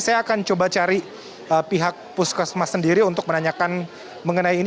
saya akan coba cari pihak puskesmas sendiri untuk menanyakan mengenai ini